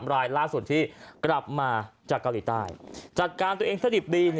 รายล่าสุดที่กลับมาจากเกาหลีใต้จัดการตัวเองสดิบดี